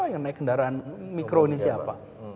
yang naik kendaraan mikro ini siapa